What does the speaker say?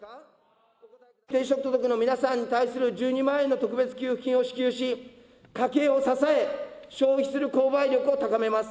低所得の皆さんに対する１２万円の特別給付金を支給し、家計を支え、消費する購買力を高めます。